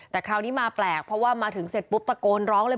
แต่คราวนี้มาแปลกเพราะว่ามาถึงเสร็จปุ๊บตะโกนร้องเลย